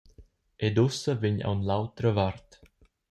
Ed ussa vegn aunc l’autra vart.